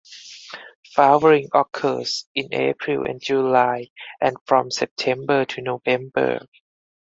Flowering occurs in April and July and from September to November.